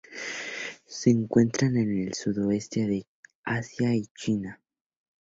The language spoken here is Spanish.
Se encuentran en el sudoeste de Asia y China.